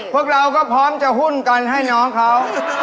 พวกเราก็พร้อมจะหุ้นกันให้น้องเขา